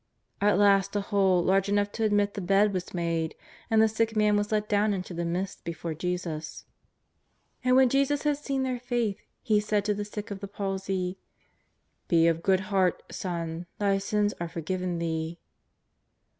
At last a hole large enough to admit the bed was made, and the sick man was let down into the midst before Jesus. 182 JESTJS OF NAZARETH. And when Jesus had seen their faith, He said to the sick of the palsy: " Be of good heart, son, thy sins are forgiven thee."